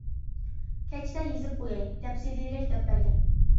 كەچتە يېزىپ قوياي، تەپسىلىيرەك دەپ بەرگىن.